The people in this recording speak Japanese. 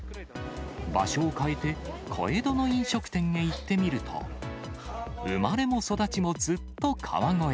場所を変えて、小江戸の飲食店へ行ってみると、生まれも育ちもずっと川越。